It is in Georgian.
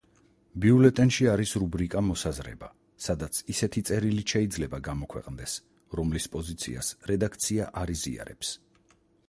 ბიულეტენში არის რუბრიკა „მოსაზრება“, სადაც ისეთი წერილიც შეიძლება გამოქვეყნდეს, რომლის პოზიციას რედაქცია არ იზიარებს.